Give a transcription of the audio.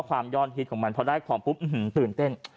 ความยอดฮิตของมันพอได้ความปุ๊บหื้มหืมตื่นเต้น